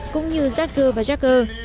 cũng như jacker và jacker